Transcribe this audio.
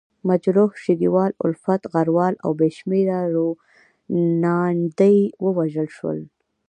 مجروح، شګیوال، الفت، غروال او بې شمېره روڼاندي ووژل شول.